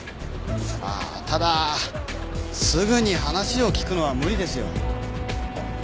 ああただすぐに話を聞くのは無理ですよ。